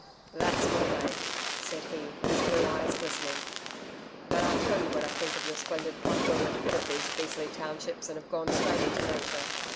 'That's my Mate,' said he, his blue eyes glistening. 'But I'll tell you what I think of your splendid pluck when we're quit of these beastly townships, and have gone straight into Nature.